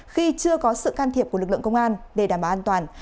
khi chưa có sự can thiệp của lực lượng công an để đảm bảo an toàn